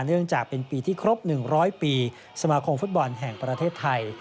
เนื่องจากเป็นปีที่ครบ๑๐๐ปีสมาคมฟุตบอลแห่งประเทศไทย